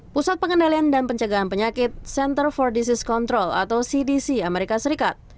pusat pengendalian dan pencegahan penyakit center for disease control atau cdc amerika serikat